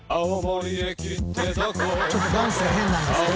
ちょっとダンスが変なんですけど。